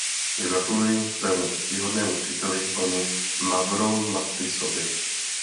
Gratuluji svému ctihodnému příteli panu Mavrommatisovi.